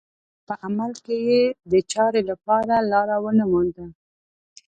خو په عمل کې دې چارې لپاره لاره ونه مونده